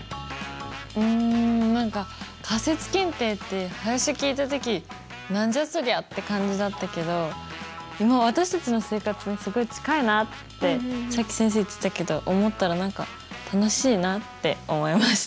うん何か仮説検定って最初聞いた時何じゃそりゃって感じだったけどでも私たちの生活にすごい近いなってさっき先生言ってたけど思ったら何か楽しいなって思いました。